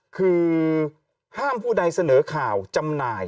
คือห้ามผู้ใดเสนอข่าวจำหน่าย